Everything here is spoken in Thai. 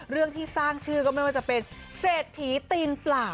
เรื่องที่สร้างชื่อก็ไม่ว่าจะเป็นเศรษฐีตีนเปล่า